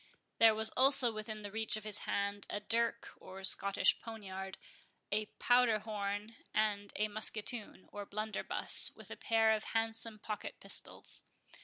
There was also within the reach of his hand a dirk, or Scottish poniard, a powder horn, and a musketoon, or blunderbuss, with a pair of handsome pocket pistols.